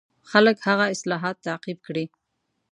خلک هغه اصلاحات تعقیب کړي.